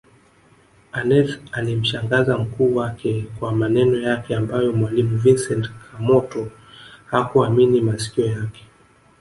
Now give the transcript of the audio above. Aneth alimshangaza mkuu wake kwa maneno yake ambayo mwalimu Vincent Kamoto hakuamini masikio yake